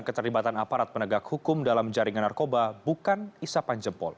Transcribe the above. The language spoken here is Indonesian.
keterlibatan aparat penegak hukum dalam jaringan narkoba bukan isapan jempol